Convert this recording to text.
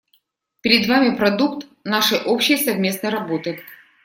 Перед вами — продукт нашей общей совместной работы.